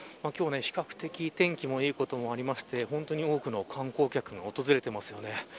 今日は比較的天気がいいこともあって本当に多くの観光客が訪れています。